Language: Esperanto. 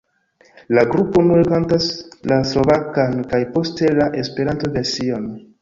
La grupo unue kantas la slovakan kaj poste la Esperanto-version.